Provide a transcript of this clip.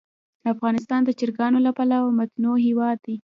افغانستان د چرګانو له پلوه متنوع هېواد دی.